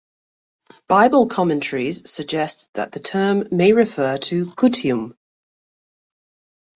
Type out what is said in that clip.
Bible commentaries suggest that the term may refer to Gutium.